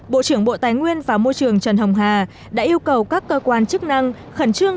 bộ trưởng bộ tài nguyên và môi trường trần hồng hà đã yêu cầu các cơ quan chức năng khẩn trương